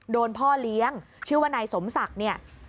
พ่อเลี้ยงชื่อว่านายสมศักดิ์เนี่ย